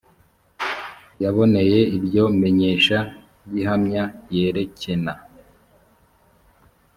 yaboneye iryo menyesha gihamya yerekena